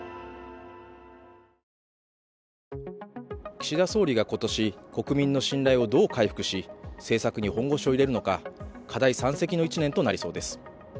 岸田総理が今年、国民の信頼をどう回復し、政策に本腰を入れるのか課題山積の一年となりそうです。